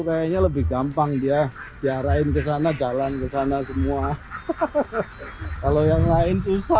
kayaknya lebih gampang dia diarahin kesana jalan kesana semua kalau yang lain susah